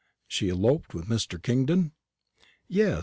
"She eloped with Mr. Kingdon?" "Yes.